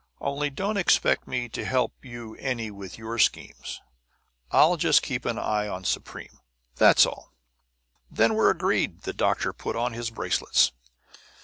Only, don't expect me to help you any with your schemes; I'll just keep an eye on Supreme, that's all." "Then we're agreed." The doctor put on his bracelets.